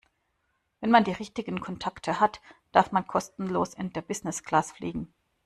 Wenn man die richtigen Kontakte hat, darf man kostenlos in der Business-Class fliegen.